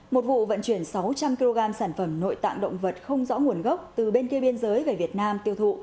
một vụ vận chuyển sáu trăm linh kg sản phẩm nội tạng động vật không rõ nguồn gốc từ bên kia biên giới về việt nam tiêu thụ